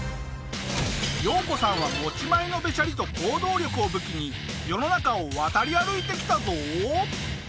ヨウコさんは持ち前のべしゃりと行動力を武器に世の中を渡り歩いてきたぞ！